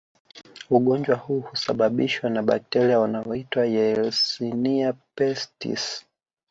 Ugonjwa huu husababishwa na bakteria wanaoitwa yersinia pestis